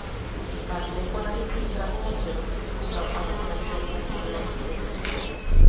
Dva dny po nabytí pravomoci rozsudku byl ale prezidentem omilostněn.